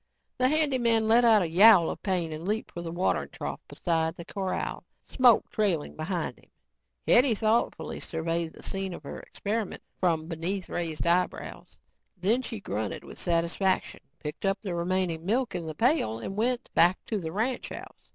The handy man let out a yowl of pain and leaped for the watering trough beside the corral, smoke trailing behind him. Hetty thoughtfully surveyed the scene of her experiment from beneath raised eyebrows. Then she grunted with satisfaction, picked up the remaining milk in the pail and went back to the ranch house.